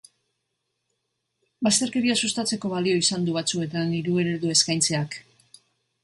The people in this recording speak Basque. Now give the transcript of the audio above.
Bazterkeria sustatzeko balio izan du, batzuetan, hiru eredu eskaintzea.